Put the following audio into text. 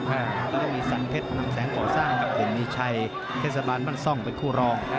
ก็จะมีสันเผ็ดนำแสงก่อสร้างกับเห็นมีชัยเทศบาลบรรซ่องเป็นคู่รอง